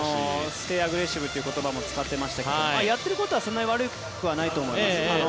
ステイ・アグレッシブという言葉も使っていましたけどやっていることはそんなに悪いことではないと思います。